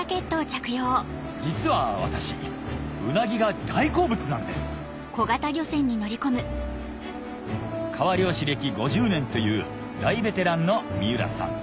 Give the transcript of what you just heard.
実は私うなぎが大好物なんです川漁師歴５０年という大ベテランの三浦さん